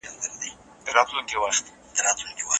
له خوب سره په مینه کي انسان په باور نه دی